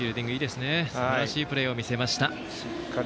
すばらしいプレーを見せました。